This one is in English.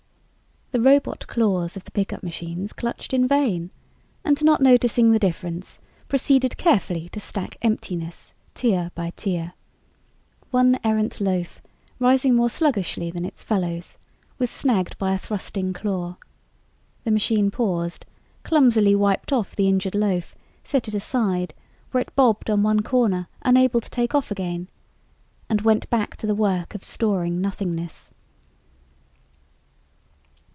The robot claws of the pickup machines clutched in vain, and, not noticing the difference, proceeded carefully to stack emptiness, tier by tier. One errant loaf, rising more sluggishly than its fellows, was snagged by a thrusting claw. The machine paused, clumsily wiped off the injured loaf, set it aside where it bobbed on one corner, unable to take off again and went back to the work of storing nothingness.